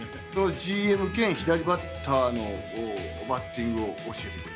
ＧＭ兼左バッターのバッティングを教えてくれる。